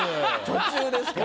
途中ですから。